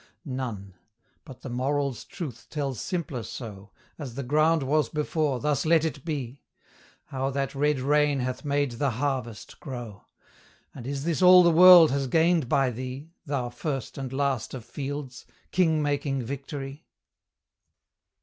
None; but the moral's truth tells simpler so, As the ground was before, thus let it be; How that red rain hath made the harvest grow! And is this all the world has gained by thee, Thou first and last of fields! king making Victory?